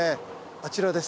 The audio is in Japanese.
あちらです。